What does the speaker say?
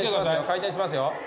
回転しますよ。